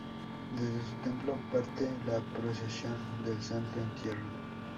Desde su templo parte la procesión del Santo Entierro.